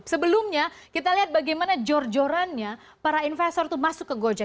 sebelumnya kita lihat bagaimana jor jorannya para investor itu masuk ke gojek